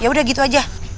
ya udah gitu aja